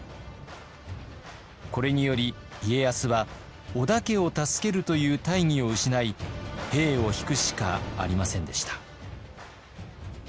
これにより家康は織田家を助けるという大義を失い兵を引くしかありませんでした。